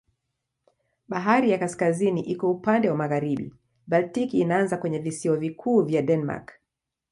Bahari ya Kaskazini iko upande wa magharibi, Baltiki inaanza kwenye visiwa vikuu vya Denmark.